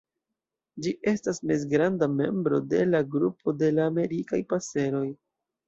Ĝi estas mezgranda membro de la grupo de la Amerikaj paseroj.